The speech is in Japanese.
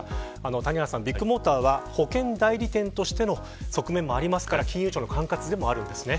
谷原さんビッグモーターは保険代理年としての側面もありますから金融庁の管轄でもあるんですね。